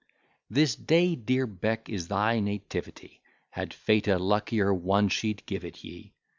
8, 1726 This day, dear Bec, is thy nativity; Had Fate a luckier one, she'd give it ye.